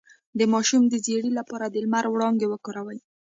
د ماشوم د ژیړي لپاره د لمر وړانګې وکاروئ